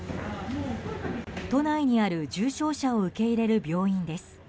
都内にある重症者を受け入れる病院です。